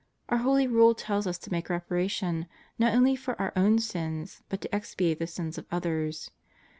Our Holy Rule tells us to make reparation not only for our own sins, but to expiate the sins of others.